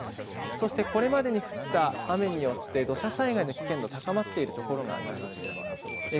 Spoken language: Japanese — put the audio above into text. そしてこれまでに降った雨によって土砂災害の危険度高まっているところがあります。